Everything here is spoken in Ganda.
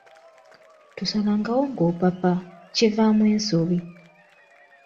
Tosalangawo ng’opapa, kivaamu ensobi.